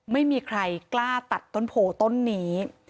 ไม่มีใครกล้าตัดต้นโพต้นนี้